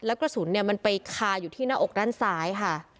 แล้วกระสุนมันไปคาอยู่ที่หน้าอกด้านซ้ายค่ะ